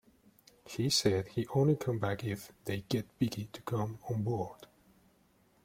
He said he'd only come back if they'd get Vikki to come on board.